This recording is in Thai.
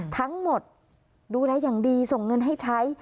ทั้งหมดดูแลอย่างดีส่งเงินให้ใช้